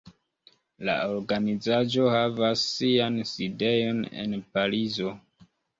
La organizaĵo havas sian sidejon en Parizo.